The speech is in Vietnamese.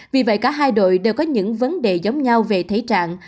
vì vậy cả hai đội đều có những vấn đề giống nhau về thế trạng